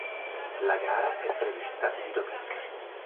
La gara è prevista di domenica.